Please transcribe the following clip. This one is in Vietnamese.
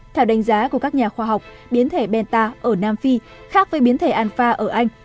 theo đánh giá của các nhà khoa học biến thể benta ở nam phi khác với biến thể anfa ở anh